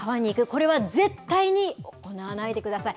これは絶対に行わないでください。